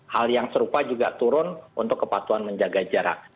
hal yang serupa juga turun untuk kepatuhan menjaga jarak